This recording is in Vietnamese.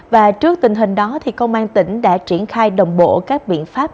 và trước tình hình đó công an tỉnh đã triển khai đồng bộ các biện pháp